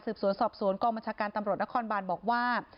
สวนสอบสวนกองบัญชาการตำรวจนครบานบอกว่า